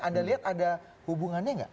anda lihat ada hubungannya nggak